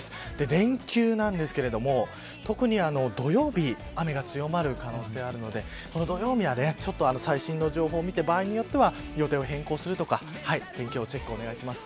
連休なんですけども特に土曜日雨が強まる可能性があるのでこの土曜日は最新の情報を見て場合によっては予定を変更するとか天気予報のチェックお願いします。